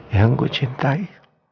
yang ku cintai